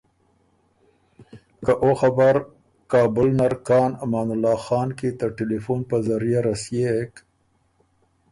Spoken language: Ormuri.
که او خبر کابل نر کان امان الله خان کی ته ټېلیفون په ذریعۀ رسيېک